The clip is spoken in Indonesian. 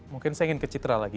mungkin saya ingin ke citra lagi